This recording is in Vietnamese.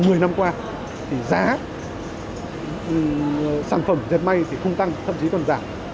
trong một mươi năm qua thì giá sản phẩm dệt may thì không tăng thậm chí còn giảm